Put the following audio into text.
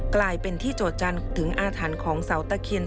กลายเป็นที่จดจันถึงอาธัณภ์ของสาวตะเอคิณตกนมันกลาง